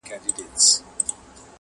جنازو پكښي اوډلي دي كورونه،